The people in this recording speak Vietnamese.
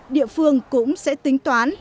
địa phương cũng sẽ tính toán